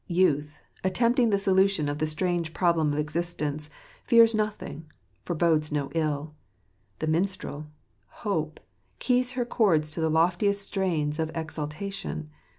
Youth, attempting the solution of the strange problem of existence, fears nothing, forbodes no ill. The minstrel, Hope, keys her chords to the loftiest strains of exultation.